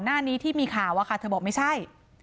หน้านี้ที่มีข่าวอะค่ะเธอบอกไม่ใช่